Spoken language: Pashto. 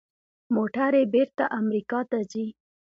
موټرې بیرته امریکا ته ځي.